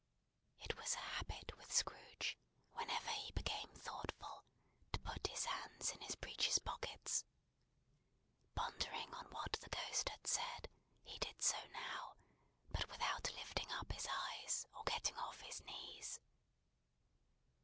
It was a habit with Scrooge, whenever he became thoughtful, to put his hands in his breeches pockets. Pondering on what the Ghost had said, he did so now, but without lifting up his eyes, or getting off his knees.